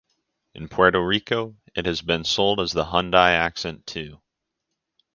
In Puerto Rico, it has been sold as the Hyundai Accent too.